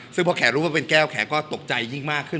ซึ่งพอแขกรู้มาเป็นแก้วแขนก็ตกใจยิ่งมากขึ้น